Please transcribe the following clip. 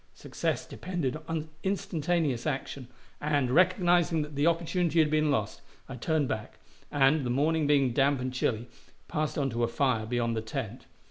Success depended on instantaneous action, and, recognizing that the opportunity had been lost, I turned back, and, the morning being damp and chilly, passed on to a fire beyond the tent.